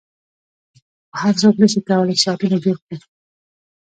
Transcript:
خو هر څوک نشي کولای چې ساعتونه جوړ کړي